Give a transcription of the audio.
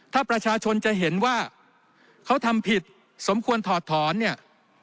ถ้าประชาชนจะเห็นว่าเขาทำผิดสมควรถอดถอนเนี่ย